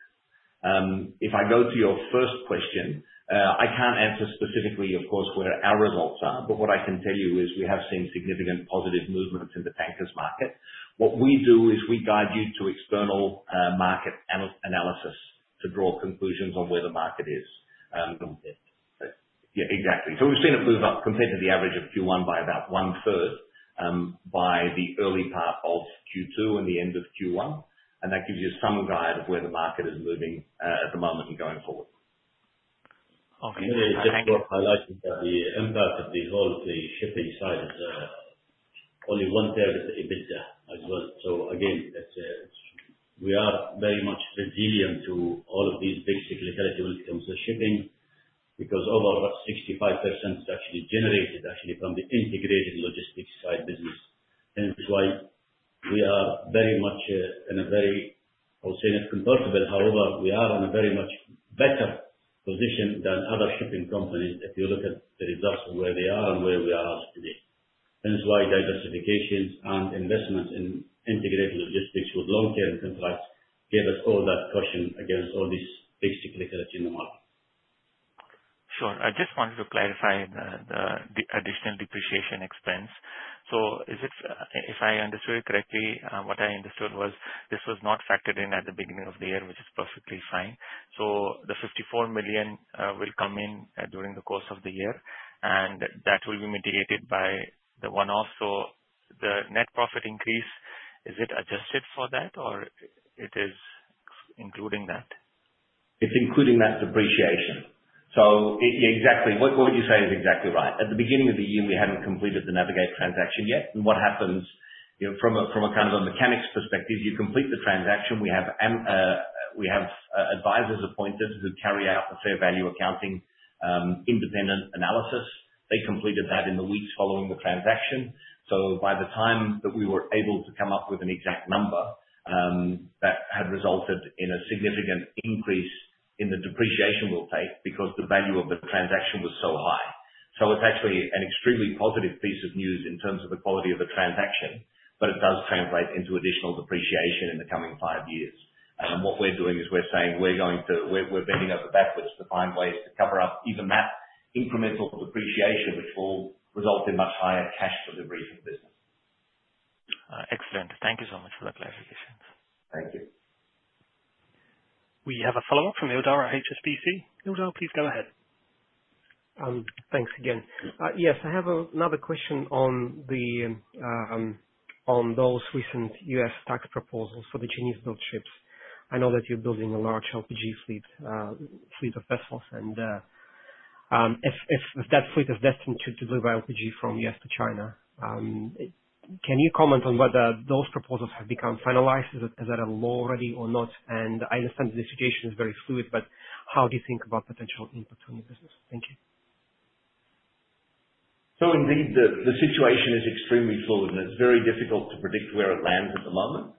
Speaker 5: If I go to your first question, I can't answer specifically, of course, where our results are, but what I can tell you is we have seen significant positive movements in the tankers market. What we do is we guide you to external market analysis to draw conclusions on where the market is. Yeah, exactly. We have seen it move up compared to the average of Q1 by about 1/3 by the early part of Q2 and the end of Q1. That gives you some guide of where the market is moving at the moment and going forward.
Speaker 4: Okay, thank you for highlighting the impact of the whole shipping side. Only 1/3 of the EBITDA I've worked. We are very much resilient to all of this big cyclicality when it comes to shipping because over 65% is actually generated from the integrated logistics side business. That is why we are very much in a very, I would say, compatible. However, we are in a much better position than other shipping companies if you look at the results of where they are and where we are today. Hence why diversifications and investments in integrated logistics with long-term supplies gave us all that caution against all this big cyclicality in the market.
Speaker 10: Sure. I just wanted to clarify the additional depreciation expense. If I understood it correctly, what I understood was this was not factored in at the beginning of the year, which is perfectly fine. The $54 million will come in during the course of the year, and that will be mitigated by the one-off. The net profit increase, is it adjusted for that, or is it including that?
Speaker 5: It's including that depreciation. Yeah, exactly. What you're saying is exactly right. At the beginning of the year, we hadn't completed the Navig8 transaction yet. What happens from a kind of a mechanics perspective is you complete the transaction, we have advisors appointed to carry out the fair value accounting independent analysis. They completed that in the weeks following the transaction. By the time that we were able to come up with an exact number, that had resulted in a significant increase in the depreciation we'll take because the value of the transaction was so high. It's actually an extremely positive piece of news in terms of the quality of the transaction, but it does translate into additional depreciation in the coming five years. What we're doing is we're saying we're going to, we're bending over backwards to find ways to cover up even that incremental depreciation, which will result in much higher cash deliveries for this.
Speaker 10: Excellent. Thank you so much for the clarification.
Speaker 1: We have a follow-up from Ildar at HSBC. Ildar, please go ahead.
Speaker 9: Thanks again. Yes, I have another question on those recent U.S. tax proposals for the Chinese-built ships. I know that you're building a large LPG fleet of vessels, and if that fleet is destined to deliver LPG from U.S. to China, can you comment on whether those proposals have become finalized? Is that a law already or not? I understand the situation is very fluid, but how do you think about potential input to new business? Thank you.
Speaker 5: Indeed, the situation is extremely fluid, and it's very difficult to predict where it lands at the moment.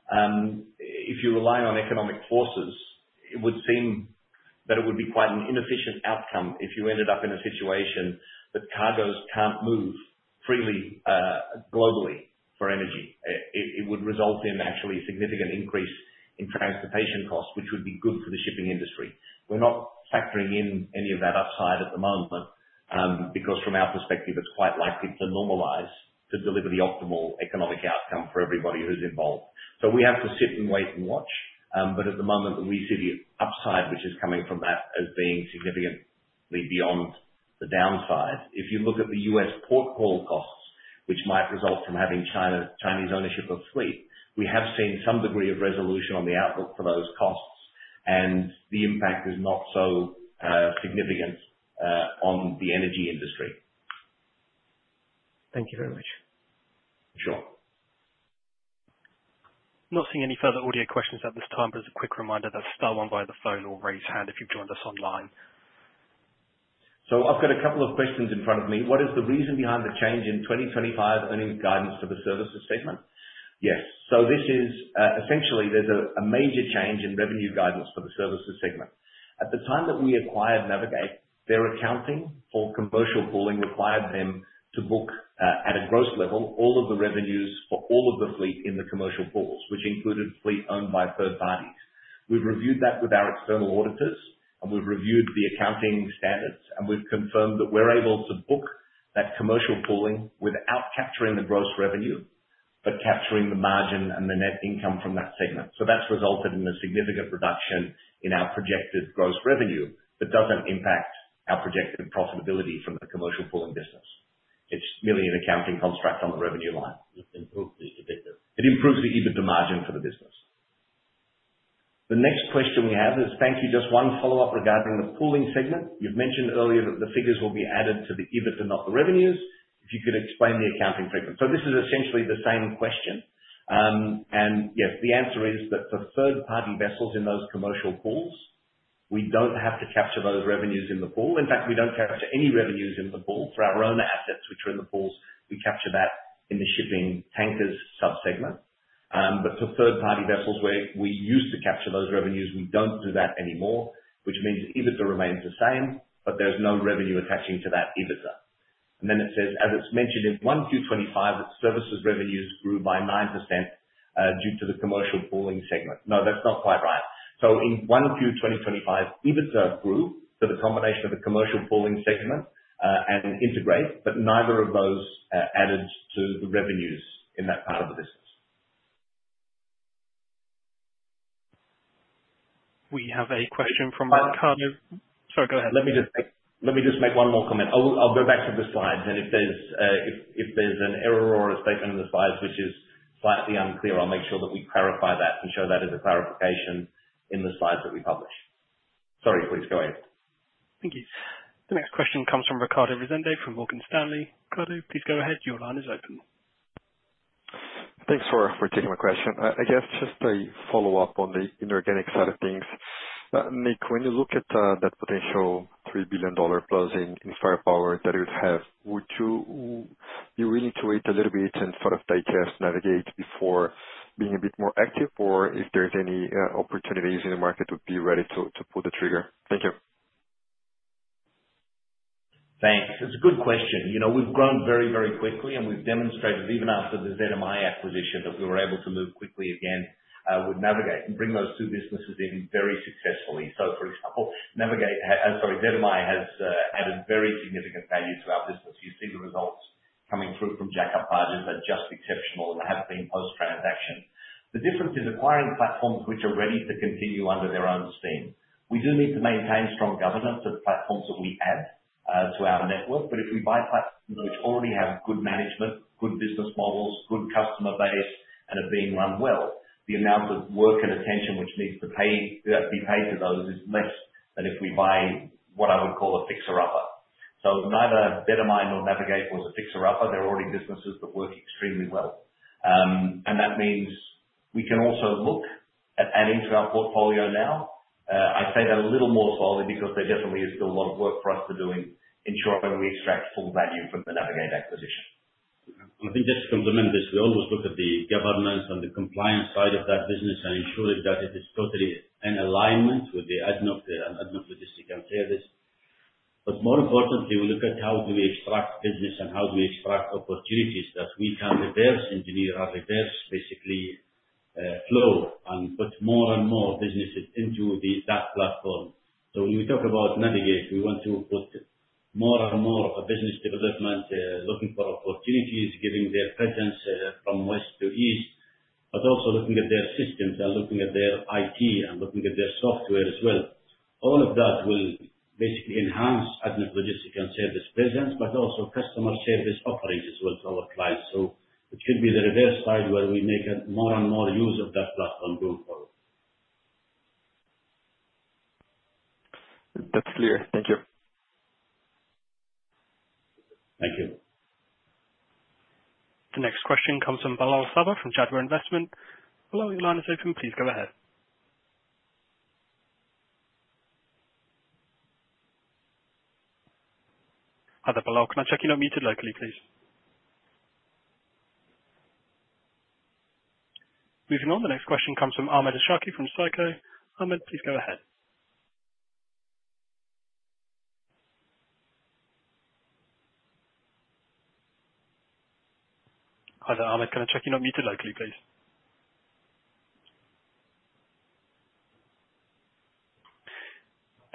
Speaker 5: If you rely on economic forces, it would seem that it would be quite an inefficient outcome if you ended up in a situation that cargoes can't move freely globally for energy. It would result in actually a significant increase in transportation costs, which would be good for the shipping industry. We're not factoring in any of that upside at the moment because from our perspective, it's quite likely to normalize to deliver the optimal economic outcome for everybody who's involved. We have to sit and wait and watch. At the moment, we see the upside, which is coming from that, as being significantly beyond the downside. If you look at the U.S. port call costs, which might result from having Chinese ownership of sleep, we have seen some degree of resolution on the outlook for those costs, and the impact is not so significant on the energy industry.
Speaker 9: Thank you very much.
Speaker 5: Sure.
Speaker 1: Not seeing any further audio questions at this time, but as a quick reminder, that's star one via the phone or raise hand if you've joined us online.
Speaker 5: I've got a couple of questions in front of me. What is the reason behind the change in 2025 earnings guidance for the services segment? Yes. This is essentially, there's a major change in revenue guidance for the services segment. At the time that we acquired Navig8, their accounting for commercial pooling required them to book at a gross level all of the revenues for all of the fleet in the commercial pools, which included fleet owned by third parties. We've reviewed that with our external auditors, and we've reviewed the accounting standards, and we've confirmed that we're able to book that commercial pooling without capturing the gross revenue, but capturing the margin and the net income from that segment. That has resulted in a significant reduction in our projected gross revenue, but does not impact our projected profitability from the commercial pooling business. It is merely an accounting construct on the revenue line.
Speaker 4: It improves the EBITDA margin for the business.
Speaker 5: The next question we have is, thank you, just one follow-up regarding the pooling segment. You've mentioned earlier that the figures will be added to the EBITDA, not the revenues. If you could explain the accounting segment. This is essentially the same question. Yes, the answer is that for third-party vessels in those commercial pools, we do not have to capture those revenues in the pool. In fact, we do not capture any revenues in the pool. For our own assets, which are in the pool, we capture that in the shipping tankers subsegment. For third-party vessels, we used to capture those revenues. We do not do that anymore, which means EBITDA remains the same, but there is no revenue attaching to that EBITDA. It says, as it is mentioned in 1Q 2025, the services revenues grew by 9% due to the commercial pooling segment. No, that is not quite right. In 1Q 2025, EBITDA grew due to the combination of the commercial pooling segment and Integrate, but neither of those added to the revenues in that part of the business.
Speaker 1: We have a question from Ricardo. Sorry, go ahead.
Speaker 5: Let me just make one more comment. I'll go back to the slides. If there's an error or a statement in the slides which is slightly unclear, I'll make sure that we clarify that and show that as a clarification in the slides that we publish. Sorry, please go ahead.
Speaker 1: Thank you. The next question comes from Ricardo Rizende from Morgan Stanley. Carlo, please go ahead. Your line is open.
Speaker 11: Thanks for taking my question. I guess just a follow-up on the inorganic side of things. Nick, when you look at that potential $3 billion plus in firepower that it would have, would you be willing to wait a little bit and sort of digest, Navig8 before being a bit more active, or is there any opportunities in the market to be ready to pull the trigger? Thank you.
Speaker 5: Thanks. It's a good question. You know, we've grown very, very quickly, and we've demonstrated even after the ZMI acquisition that we were able to move quickly again with Navig8 and bring those two businesses in very successfully. For example, ZMI has added very significant value to our business. You see the results coming through from Jack-Up Barges that are just exceptional and have been post-transaction. The difference is acquiring platforms which are ready to continue under their own steam. We do need to maintain strong governance of platforms that we add to our network, but if we buy platforms which already have good management, good business models, good customer base, and are being run well, the amount of work and attention which needs to be paid to those is less than if we buy what I would call a fixer upper. Neither ZMI nor Navig8 will fixer upper. They're already businesses that work extremely well. That means we can also look at adding to our portfolio now. I say that a little more slowly because there definitely is still a lot of work for us to do in ensuring we extract full value from the Navig8 acquisition.
Speaker 4: I think this complements this. We always look at the governance and the compliance side of that business and ensure that it is totally in alignment with the ADNOC Logistics & Services. More importantly, we look at how do we extract business and how do we extract opportunities that we can reverse engineer or reverse basically flow and put more and more businesses into that platform. When we talk about Navig8, we want to put more and more business development looking for opportunities, giving their presence from west to east, but also looking at their systems and looking at their IT and looking at their software as well. All of that will basically enhance ADNOC Logistics & Services presence, but also customer service offerings as well to our clients. It should be the reverse side where we make more and more use of that platform going forward.
Speaker 11: That's clear. Thank you. Thank you.
Speaker 1: The next question comes from Belal Sabbah from Jadwa Investment. Hello, your line is open, please go ahead. Hi there, Belal. Can I check you're not muted locally, please? Moving on, the next question comes from Ahmed Es'haqi from SICO. Ahmed, please go ahead. Hi there, Ahmed. Can I check you're not muted locally, please?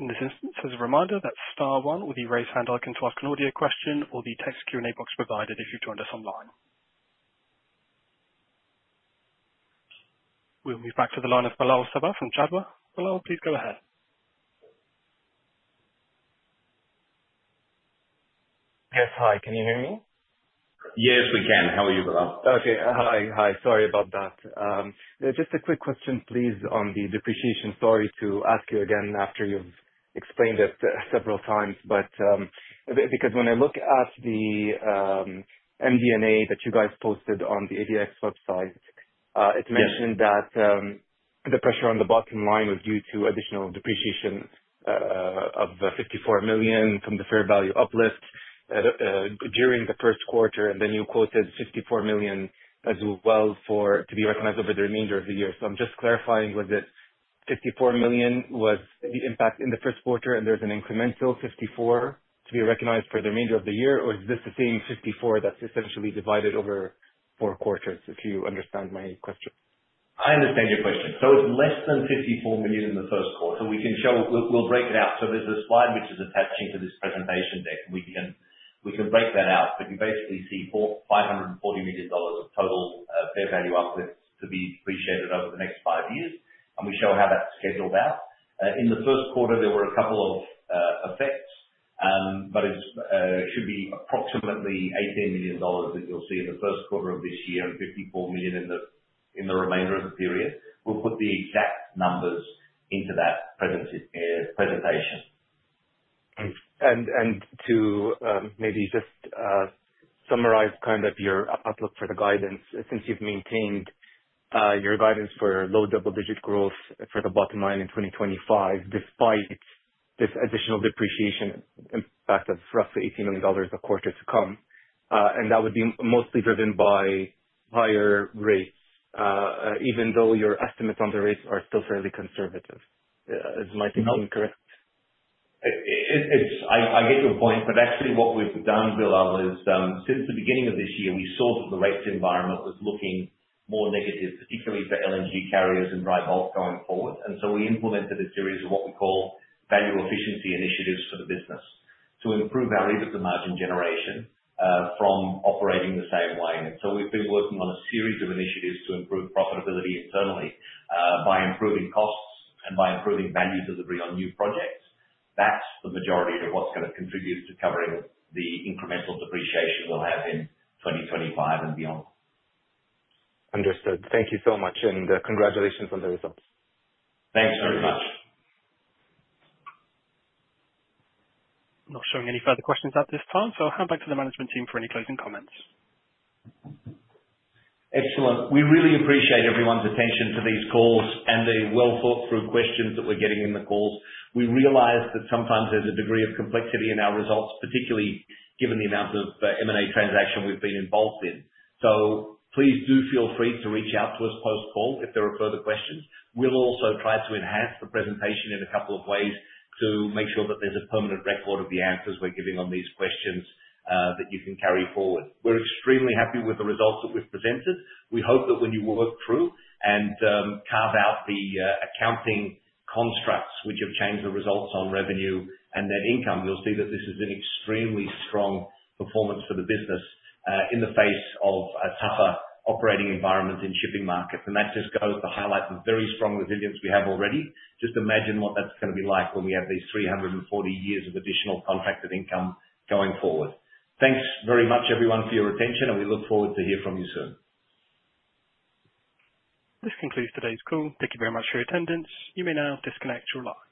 Speaker 1: In this instance, as a reminder, that's star one, or the raise hand icon to ask an audio question, or the text Q&A box provided if you've joined us online. We'll move back to the line of Belal Sabbah from Jadwa. Belal, please go ahead.
Speaker 12: Yes, hi. Can you hear me?
Speaker 4: Yes, we can. How are you, Balal?
Speaker 12: Okay, hi. Hi, sorry about that. Just a quick question, please, on the depreciation. Sorry to ask you again after you've explained it several times, but because when I look at the MD&A that you guys posted on the ADX website, it mentioned that the pressure on the bottom line was due to additional depreciation of $54 million from the fair value uplift during the first quarter, and then you quoted $54 million as well to be recognized over the remainder of the year. I'm just clarifying, was it $54 million was the impact in the first quarter, and there's an incremental $54 million to be recognized for the remainder of the year, or is this the same $54 million that's essentially divided over four quarters, if you understand my question?
Speaker 5: I understand your question. It's less than $54 million in the first quarter. We can show, we'll break it out. There's a slide which is attached to this presentation deck. We can break that out, but you basically see $540 million of total fair value uplift to be depreciated over the next five years. We show how that's scheduled out. In the first quarter, there were a couple of effects, but it should be approximately $18 million that you'll see in the first quarter of this year and $54 million in the remainder of the period. We'll put the exact numbers into that presentation.
Speaker 12: To maybe just summarize kind of your outlook for the guidance, since you've maintained your guidance for low double-digit growth for the bottom line in 2025, despite this additional depreciation impact of roughly $18 million a quarter to come, that would be mostly driven by higher rates, even though your estimates on the rates are still fairly conservative. Is my takeaway correct?
Speaker 5: I get your point, but actually what we've done, Belal, is since the beginning of this year, we saw that the rates environment was looking more negative, particularly for LNG carriers and dry bulk going forward. We implemented a series of what we call value efficiency initiatives for the business to improve our EBITDA margin generation from operating the same way. We have been working on a series of initiatives to improve profitability internally by improving costs and by improving value delivery on new projects. That is the majority of what kind of contributes to covering the incremental depreciation we will have in 2025 and beyond.
Speaker 12: Understood. Thank you so much, and congratulations on the results.
Speaker 5: Thanks very much.
Speaker 1: Not showing any further questions at this time, so hand back to the management team for any closing comments.
Speaker 5: Excellent. We really appreciate everyone's attention to these calls and the well-thought-through questions that we are getting in the calls. We realize that sometimes there is a degree of complexity in our results, particularly given the amount of M&A transaction we have been involved in. Please do feel free to reach out to us post-call if there are further questions. We'll also try to enhance the presentation in a couple of ways to make sure that there's a permanent record of the answers we're giving on these questions that you can carry forward. We're extremely happy with the results that we've presented. We hope that when you work through and carve out the accounting constructs which have changed the results on revenue and net income, you'll see that this is an extremely strong performance for the business in the face of a tougher operating environment in the shipping market. That just goes to highlight the very strong resilience we have already. Just imagine what that's going to be like when we have these 340 years of additional contracted income going forward. Thanks very much, everyone, for your attention, and we look forward to hearing from you soon.
Speaker 1: This concludes today's call. Thank you very much for your attendance. You may now disconnect your line.